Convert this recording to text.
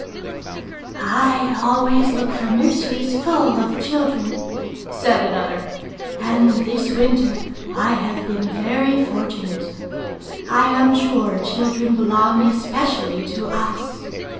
"I always look for nurseries full of children," said another; "and this winter I have been very fortunate. I am sure children belong especially to us.